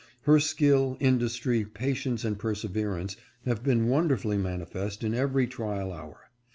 Her skill, industry, patience, and persever ance have been wonderfully manifest in every trial hour.